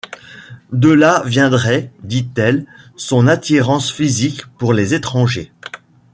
De là viendrait, dit-elle, son attirance physique pour les étrangers.